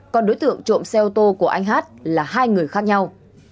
còn đối tượng trộm xe ô tô của anh hát là hai người khác nhau